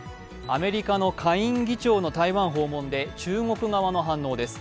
アメリカの下院議長の台湾訪問で中国側の反応です。